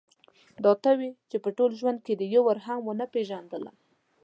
دا ته وې چې په ټول ژوند کې دې یو وار هم ونه پېژندلم.